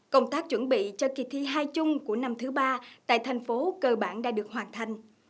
công tác chuẩn bị cho kỳ thi hai chung của năm thứ ba tại thành phố cơ bản đã được hoàn thành